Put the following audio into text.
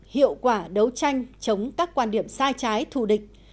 hiệu quả đấu tranh chống các quan điểm sai trái thù địch